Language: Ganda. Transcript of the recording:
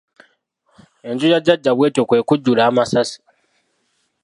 Enju ya Jjajja bw'etyo kwe kujjula amasasi.